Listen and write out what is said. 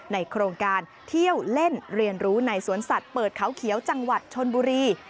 โครงการเที่ยวเล่นเรียนรู้ในสวนสัตว์เปิดเขาเขียวจังหวัดชนบุรี